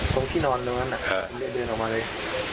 ตรงที่นอนตรงนั้นผมเลยเดินออกมาเลย